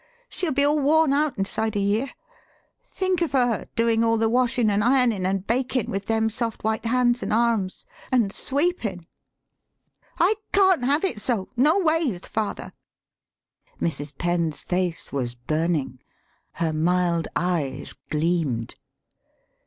She'll be all worn out inside a year. Think of her doin* all the washin' an' ironin' an' bakin' with them soft white hands an' arms, an' sweepin'! I can't have it so, noways, father." [Mrs. Penn's face was burning; her mild eyes gleamed.